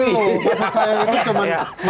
maksud saya itu cuma